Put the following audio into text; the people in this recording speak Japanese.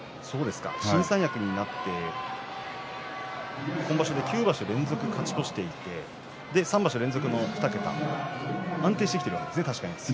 新三役になって、今場所９場所連続で勝ち越していて３場所連続の２桁安定してきているわけですね